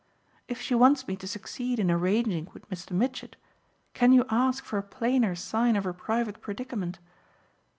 If she wants me to succeed in arranging with Mr. Mitchett can you ask for a plainer sign of her private predicament?